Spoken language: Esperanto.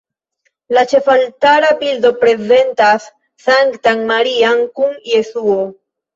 La ĉefaltara bildo prezentas Sanktan Marian kun Jesuo.